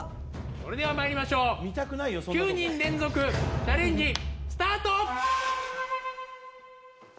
それではまいりましょう９人連続チャレンジスタート！